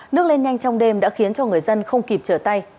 nước lên nhanh trong đêm đã khiến cho người dân không kịp trở tay